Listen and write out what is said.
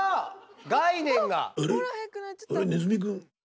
概念が。